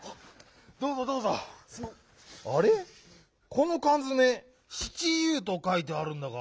このかんづめ「シチユー」とかいてあるんだが。